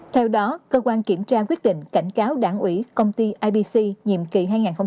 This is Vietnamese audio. theo đó cơ quan kiểm tra quyết định cảnh cáo đảng ủy công ty ibc nhiệm kỳ hai nghìn hai mươi hai nghìn hai mươi